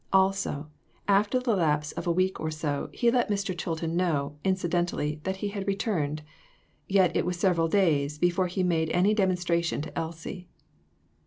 Also, after the lapse of a week or so, he let Mr. Chilton know, inci dentally, that he had returned. Yet it was sev eral days before he made any demonstration to Elsie.